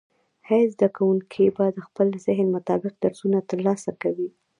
هر زده کوونکی به د خپل ذهن مطابق درسونه ترلاسه کوي.